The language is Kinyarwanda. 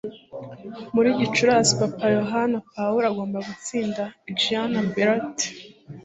Muri Gicurasi, Papa Yohani Pawulo agomba gutsinda Gianna Beretta